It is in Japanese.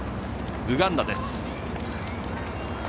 ウガンダです。